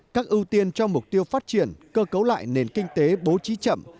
các ưu tiên cho mục tiêu phát triển cơ cấu lại nền kinh tế bố trí chậm